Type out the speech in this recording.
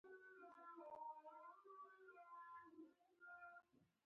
ټکنالوجي د تعلیم بهیر اسان کړی دی.